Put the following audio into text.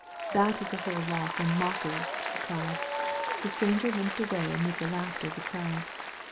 "That is the whole law for mockers,'* he cried. The stranger limped away amid the laughter of the crowd.